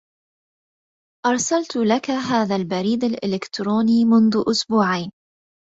أرسلت لك هذا البريد الإلكتروني منذ أسبوعين